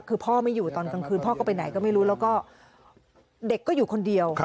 คือพ่อไม่อยู่ตอนกลางคืนพ่อก็ไปไหนก็ไม่รู้แล้วก็เด็กก็อยู่คนเดียว